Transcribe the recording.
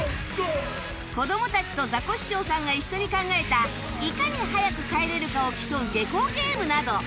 子どもたちとザコシショウさんが一緒に考えたいかに早く帰れるかを競う下校ゲームなど